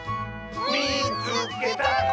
「みいつけた！」。